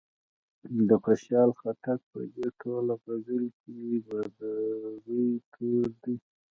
د خوشال خټک په دې ټوله غزل کې ب د روي توری دی.